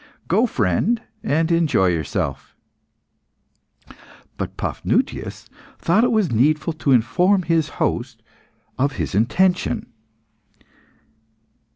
Go, friend, and enjoy yourself." But Paphnutius thought that it was needful to inform his host of his intention.